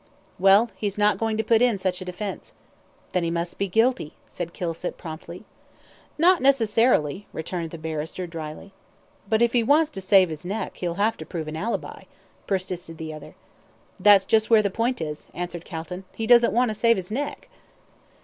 "Well, he's not going to put in such a defence." "Then he must be guilty," said Kilsip, promptly. "Not necessarily," returned the barrister, drily. "But if he wants to save his neck, he'll have to prove an ALIBI," persisted the other. "That's just where the point is," answered Calton. "He doesn't want to save his neck."